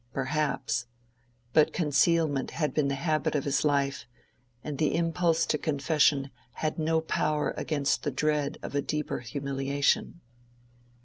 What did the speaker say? Perhaps: but concealment had been the habit of his life, and the impulse to confession had no power against the dread of a deeper humiliation.